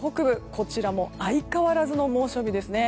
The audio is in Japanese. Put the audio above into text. こちらも相変わらずの猛暑日ですね。